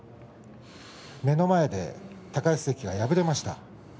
目の前で高安関が敗れました。